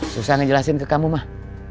susah ngejelasin ke kamu mah